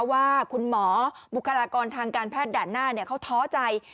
ว่าคุณหมอบุคลากรทางการแพทย์ด่านหน้าเขาท้อใจ